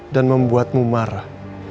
dan membuatmu marah